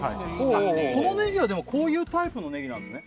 このネギはでもこういうタイプのネギなんですね